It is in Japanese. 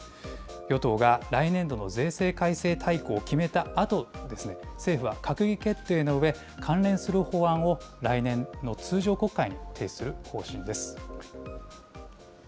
与党が来年度の税制改正大綱を決めたあとですね、政府は閣議決定のうえ、関連する法案を来年の通常国会に提出する方針です。